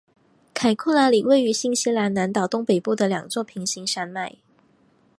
凯库拉岭位于新西兰南岛东北部的两座平行山脉。